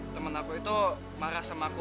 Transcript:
temen aku itu marah sama aku